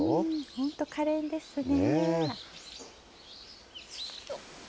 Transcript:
本当、かれんですね。